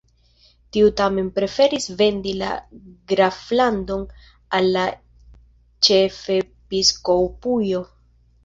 Tiu tamen preferis vendi la graflandon al la ĉefepiskopujo.